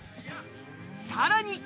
さらに！